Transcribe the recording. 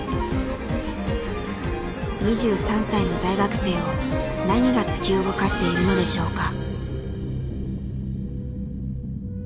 ２３歳の大学生を何が突き動かしているのでしょうか。